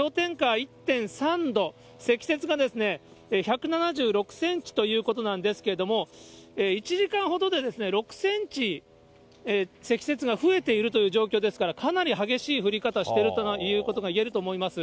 １点３度、積雪が１７６センチということなんですけれども、１時間ほどで６センチ、積雪が増えているという状況ですから、かなり激しい降り方しているということがいえると思います。